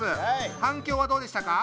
反響はどうでしたか？